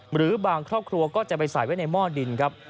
หรือบางครอบครัวก็จะไปใส่ไว้ในหม้อดินครับ